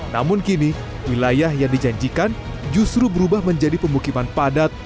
namun kini wilayah yang dijanjikan justru berubah menjadi pemukiman padat